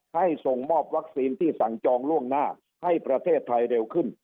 ส่งมอบวัคซีนที่สั่งจองล่วงหน้าให้ประเทศไทยเร็วขึ้น